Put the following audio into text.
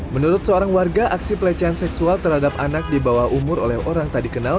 menurut seorang warga aksi pelecehan seksual terhadap anak di bawah umur oleh orang tak dikenal